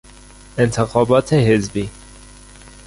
انتخابات حزبی